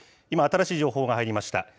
今、新しい情報が入りました。